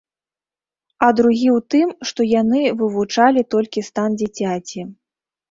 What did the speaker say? А другі ў тым, што яны вывучалі толькі стан дзіцяці.